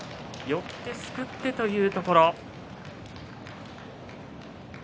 寄ってすくってというところ。